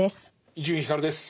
伊集院光です。